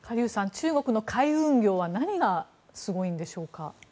中国の海運業は何がすごいんでしょうか？